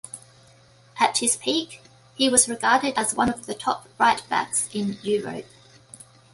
At his peak he was regarded as one of the top right-backs in Europe.